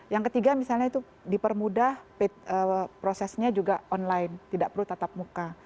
yang ketiga misalnya itu dipermudah prosesnya juga online tidak perlu tatap muka